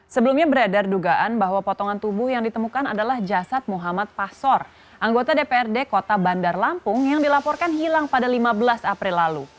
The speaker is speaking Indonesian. sebelumnya beredar dugaan bahwa potongan tubuh yang ditemukan adalah jasad muhammad pasor anggota dprd kota bandar lampung yang dilaporkan hilang pada lima belas april lalu